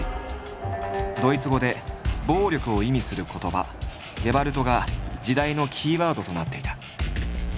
ドイツ語で「暴力」を意味する言葉「ゲバルト」が時代のキーワードとなっていた。